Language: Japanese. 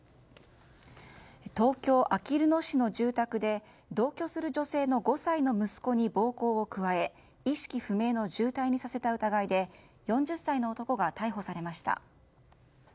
東京・あきる野市の住宅で同居する女性の５歳の息子に暴行を加え意識不明の重体にさせた疑いで４０歳の男が逮捕されました。